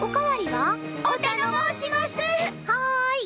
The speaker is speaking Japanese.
はい。